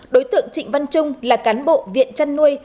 đối tượng trịnh văn trung là cán bộ viện chăn nuôi